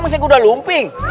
masih udah lumping